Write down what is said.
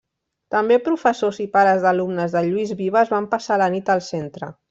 També professors i pares d'alumnes del Lluís Vives van passar la nit al centre.